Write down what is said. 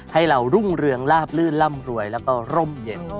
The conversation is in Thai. ให้เรารุ่งเรืองลาบลื่นร่ำรวยแล้วก็ร่มเย็น